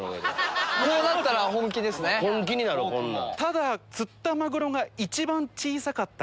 本気になるこんなん。